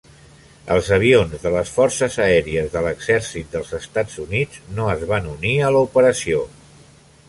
Els avions de les Forces Aèries de l'Exèrcit dels Estats Units no es van unir a l'operació.